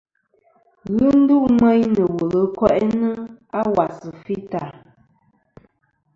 Ghɨ ndu meyn nɨ̀ wul ɨ ko'inɨ a wasà fità.